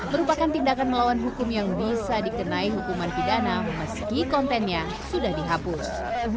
merupakan tindakan melawan hukum yang bisa dikenai hukuman pidana meski kontennya sudah dihapus